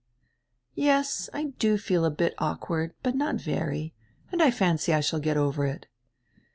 " "Yes, I do feel a bit awkward, but not very. And I fancy I shall get over it."